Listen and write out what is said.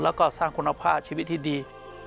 แล้วก็สร้างคุณภาพชีวิตที่ดี